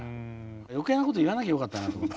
余計なこと言わなきゃよかったなと。